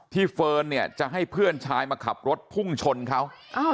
เฟิร์นเนี่ยจะให้เพื่อนชายมาขับรถพุ่งชนเขา